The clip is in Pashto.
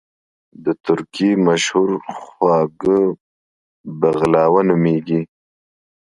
د ترکی مشهور خواږه بغلاوه نوميږي